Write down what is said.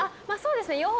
まあそうですね